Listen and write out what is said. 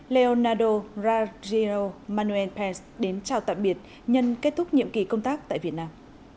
leonardo rosario manuel pes đến chào tạm biệt nhân kết thúc nhiệm kỳ công tác tại việt nam